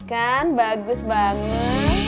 kan bagus banget